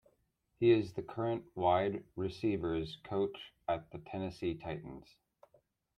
He is the current wide receivers coach at the Tennessee Titans.